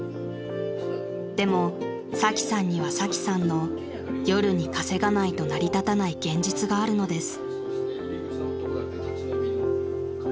［でもサキさんにはサキさんの夜に稼がないと成り立たない現実があるのです］